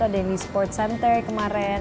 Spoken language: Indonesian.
ada di sports center kemarin